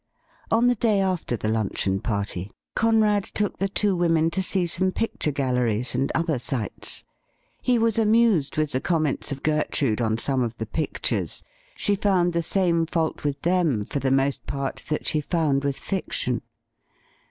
On the day after the luncheon party, Conrad took the 50 THE RIDDLE RING two women to see some picture galleries and other sights He was amused with the comments of Gertrude on some of the pictures. She found the same fault with them for the most part that she found with fiction.